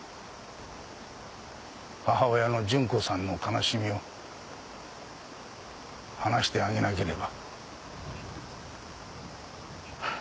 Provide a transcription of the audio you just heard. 母親の純子さんの悲しみを話してあげなければ。